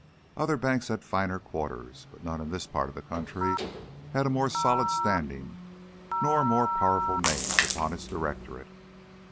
Other banks had finer quarters, but none in this part of the country had a more solid standing nor more powerful names upon its directorate.